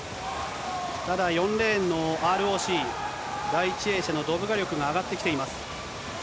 ただ４レーンのＲＯＣ、第１泳者のドブリガリョクが上がってきています。